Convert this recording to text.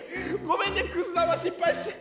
ごめんねくす玉失敗して。